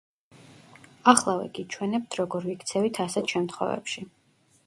ახლავე გიჩვენებთ როგორ ვიქცევით ასეთ შემთხვევებში.